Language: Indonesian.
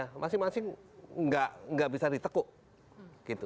ya masing masing nggak bisa ditekuk gitu